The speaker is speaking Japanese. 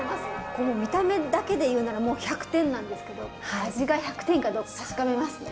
この見た目だけで言うならもう１００点なんですけど味が１００点かどうか確かめますね。